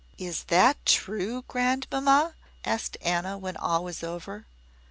"Is that true, grandmamma?" asked Anna, when all was over.